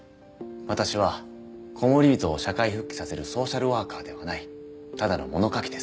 私はコモリビトを社会復帰させるソーシャルワーカーではないただの物書きです